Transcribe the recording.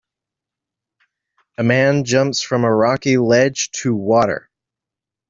A man jumps from a rocky ledge to water.